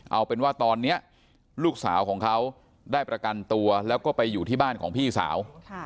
เอาเป็นว่าตอนนี้ลูกสาวของเขาได้ประกันตัวแล้วก็ไปอยู่ที่บ้านของพี่สาว